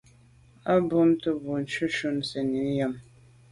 A bumte boa shunshun sènni yàme.